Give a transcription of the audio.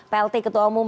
plt ketua umum